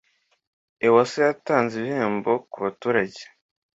Ewasa yatanze ibihembo kubaturange